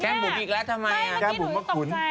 แก้บหมูอีกแล้วทำไม